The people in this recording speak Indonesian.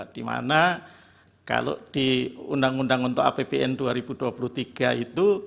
dimana kalau di undang undang untuk apbn dua ribu dua puluh tiga itu